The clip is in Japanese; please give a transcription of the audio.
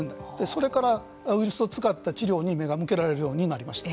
それからウイルスを使った治療に目が向けられるようになりました。